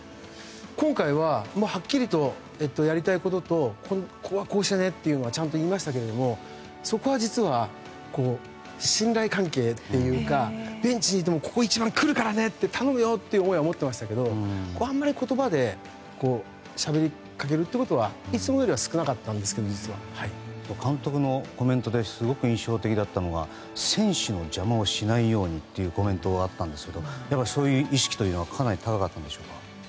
今回ははっきりとやりたいこととここはこうしてねというのはちゃんと言いましたけどそこは実は、信頼関係というかベンチにいてもここ一番で来るからねって頼むよという思いは持っていましたけどあんまり言葉でしゃべりかけるということは監督のコメントですごく印象的だったのが選手の邪魔をしないようにというコメントがあったんですがそういう意識は高かったですか。